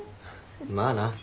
まあな。